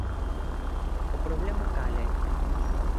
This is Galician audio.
¿O problema cal é?